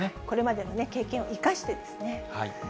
これまでの経験を生かしてですね。